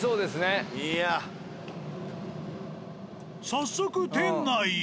早速店内へ。